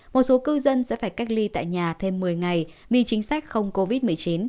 một số cư dân sẽ phải cách ly tại nhà thêm một mươi ngày vì chính sách không covid một mươi chín